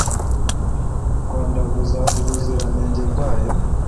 kwandavuza ubuziranenge bwayo